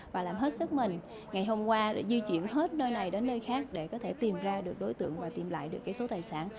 và làm hết sức mình ngày hôm qua để di chuyển hết nơi này đến nơi khác để có thể tìm ra được đối tượng và tìm lại được cái số tài sản